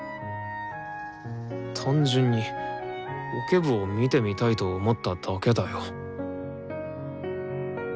単純にオケ部を見てみたいと思っただけだよ。